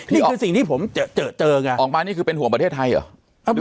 นี่คือสิ่งที่ผมเจอเจอกันอ่ะออกมานี่คือเป็นห่วงประเทศไทยอ่ะ